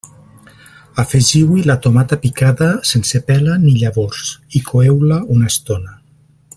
Afegiu-hi la tomata picada, sense pela ni llavors, i coeu-la una estona.